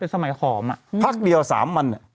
เป็นสมัยขอมอ่ะพักเดียว๓มัน